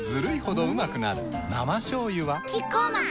生しょうゆはキッコーマン